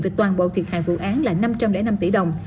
về toàn bộ thiệt hại vụ án là năm trăm linh năm tỷ đồng